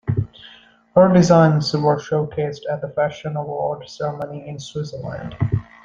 Her designs were showcased at the Fashion Awards Ceremony in Switzerland.